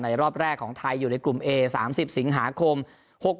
รอบแรกของไทยอยู่ในกลุ่มเอ๓๐สิงหาคม๖๖